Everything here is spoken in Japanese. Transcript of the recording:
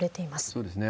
そうですね。